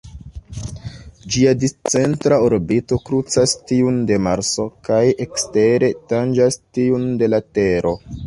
Ĝia discentra orbito krucas tiun de Marso kaj ekstere tanĝas tiun de la Tero.